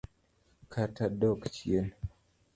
Kata dok chien.